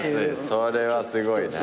それはすごいね。